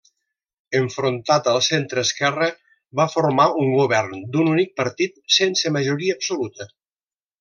Enfrontat al centreesquerra va formar un govern d'un únic partit sense majoria absoluta.